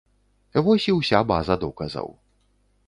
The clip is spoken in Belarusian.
Вось і ўся база доказаў.